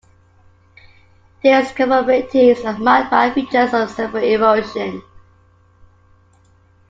Disconformities are marked by features of subaerial erosion.